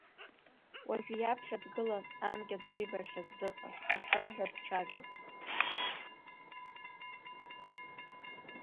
Уажәы иаԥхьа дгылан, анкьа дшибахьаз дыҟан, аҿҿаҳәа дцәажон.